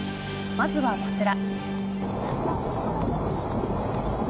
まずはこちら。